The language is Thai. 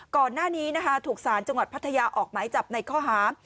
ก่อนหน้านี้นะคะถูกสารจังหวัดพัทยาออกหมายจับในข้อหา